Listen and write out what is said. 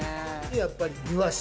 やっぱり庭師。